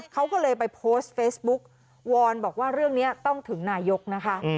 เขาก็เลยไปโพสฟีสบุ๊คท์ลองวอนบอกว่าเรื่องต้องถึงนายกนะคะ